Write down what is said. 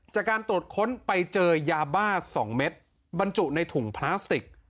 จากการตรวจค้นไปเจอยาบ้า๒เม็ดบรรจุในถุงพลาสติก